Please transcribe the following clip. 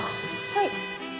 はい。